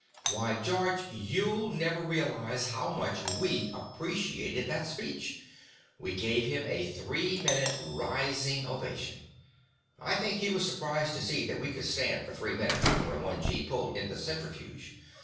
"Why, George, you'll never realize how much we appreciated that speech. We gave him a three minute rising ovation. I think he was surprised to see that we could stand for three minutes under a one gee pull in the centrifuge.